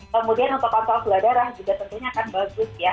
kemudian untuk kontrol gula darah juga tentunya akan bagus ya